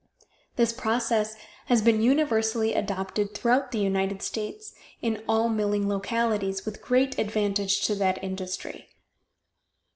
This process has been universally adopted throughout the United States in all milling localities, with great advantage to that industry.